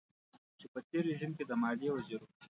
چې په تېر رژيم کې د ماليې وزير و.